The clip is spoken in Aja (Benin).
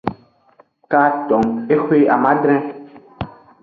Katon ehwe amadre.